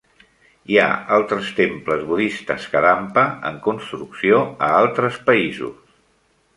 Hi ha altres temples budistes Kadampa en construcció a altres països.